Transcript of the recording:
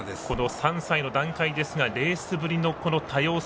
３歳の段階ですがレースぶりの多様性